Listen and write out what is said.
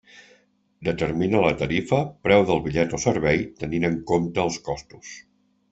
Determina la tarifa, preu del bitllet o servei, tenint en compte els costos.